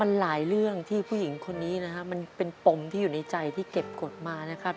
มันหลายเรื่องที่ผู้หญิงคนนี้นะครับมันเป็นปมที่อยู่ในใจที่เก็บกฎมานะครับ